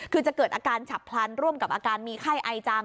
คือจะเกิดอาการฉับพลันร่วมกับอาการมีไข้ไอจาม